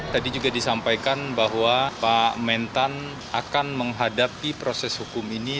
tadi juga disampaikan bahwa pak mentan akan menghadapi proses hukum ini